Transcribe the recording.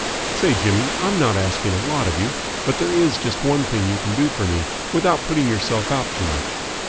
Say, Jimmy, I'm not asking a lot of you, but there is just one thing you can do for me without putting yourself out too much."